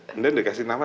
kemudian dikasih nama